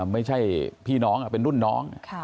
ไม่ใช่พี่น้องเป็นรุ่นน้อง